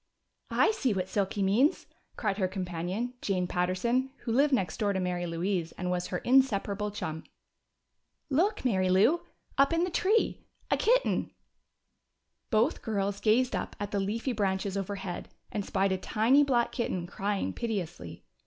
"I see what Silky means!" cried her companion, Jane Patterson who lived next door to Mary Louise and was her inseparable chum. "Look, Mary Lou! Up in the tree. A kitten!" Both girls gazed up at the leafy branches overhead and spied a tiny black kitten crying piteously.